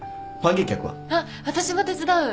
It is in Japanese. あっ私も手伝う。